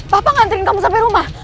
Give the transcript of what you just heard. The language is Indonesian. papa nganterin kamu sampai rumah